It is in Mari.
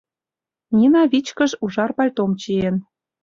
Нина вичкыж ужар пальтом чиен.